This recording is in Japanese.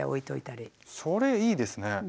それいいですね。